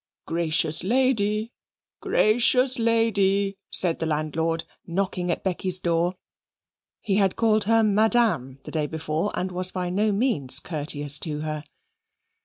"Gracious lady, gracious lady!" said the landlord, knocking at Becky's door; he had called her Madame the day before, and was by no means courteous to her.